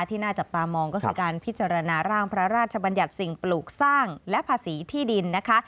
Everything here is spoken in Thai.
ที่น่าจับตามองก็คือการพิจารณาร่างพระราชบัญญัติสิ่งปลูกสร้างและภาษีที่ดินนะคะ